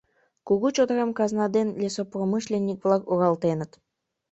Кугу чодырам казна ден лесопромышленник-влак руалтеныт.